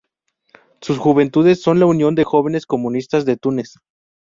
Sus juventudes son la Unión de Jóvenes Comunistas de Túnez.